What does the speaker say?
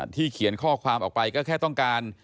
เขียนข้อความออกไปก็แค่ต้องการ